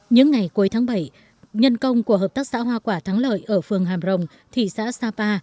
những ngày cuối tháng bảy nhân công của hợp tác xã hoa quả thắng lợi ở phường hàm rồng thị xã sapa